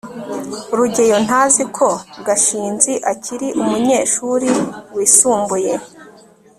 rugeyo ntazi ko gashinzi akiri umunyeshuri wisumbuye